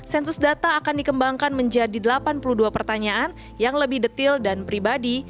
sensus data akan dikembangkan menjadi delapan puluh dua pertanyaan yang lebih detail dan pribadi